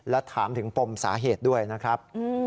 และถามถึงปมสาเหตุด้วยนะครับ